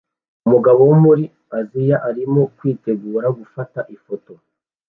Umugabo wo muri Aziya arimo kwitegura gufata ifoto